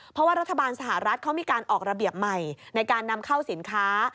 เพราะว่ารัฐบาลสหรัฐเขามีการออกระเบียบใหม่ในการนำเข้าสินค้า